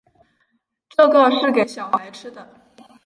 这个是给小孩吃的